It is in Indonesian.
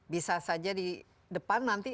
bisa saja di depan nanti